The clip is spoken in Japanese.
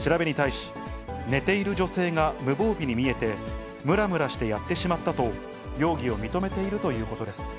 調べに対し、寝ている女性が無防備に見えて、むらむらしてやってしまったと、容疑を認めているということです。